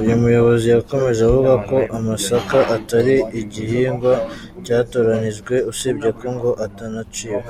Uyu muyobozi yakomeje avuga ko amasaka atari igihingwa cyatoranyijwe, usibye ko ngo atanaciwe.